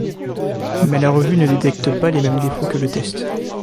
Mais la revue ne détecte pas les mêmes défauts que le test.